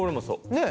ねえ。